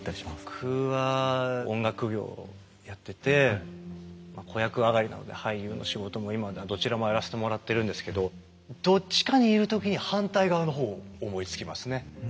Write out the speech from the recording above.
僕は音楽業やっててまあ子役上がりなので俳優の仕事も今ではどちらもやらしてもらってるんですけどどっちかにいる時に反対側の方を思いつきますね。